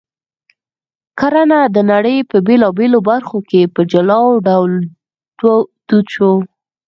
کرنه د نړۍ په بېلابېلو برخو کې په جلا ډول دود شوه